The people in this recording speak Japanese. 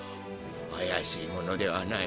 怪しいものではない。